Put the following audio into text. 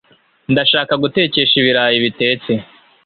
Ndashaka gutekesha ibirayi bitetse.